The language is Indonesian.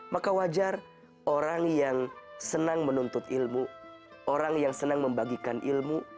maka wajar orang yang senang menuntut ilmu orang yang senang membagikan ilmu